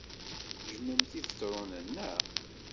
Tejjmemt Ibetṛunen, naɣ?